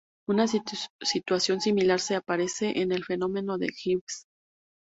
Una situación similar se aparece en el fenómeno de Gibbs.